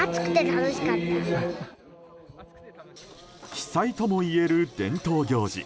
奇祭ともいえる伝統行事。